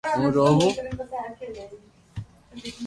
ھون رووُ